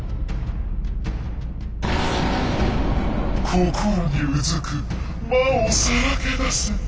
心にうずく魔をさらけ出す。